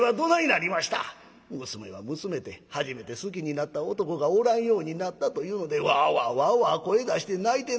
娘は娘で初めて好きになった男がおらんようになったというのでワーワーワーワー声出して泣いてなさる。